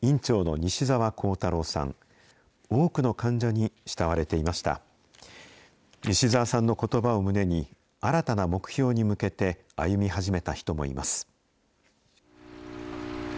西澤さんのことばを胸に、新たな目標に向けて歩み始めた人もいます。